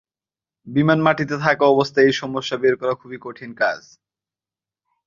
বিমান মাটিতে থাকা অবস্থায় এই সমস্যা বের করা খুবই কঠিন কাজ।